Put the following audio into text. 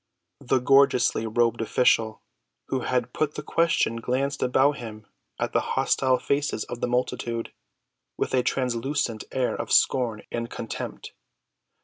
The gorgeously‐robed official who had put the question glanced about him at the hostile faces of the multitude, with a truculent air of scorn and contempt.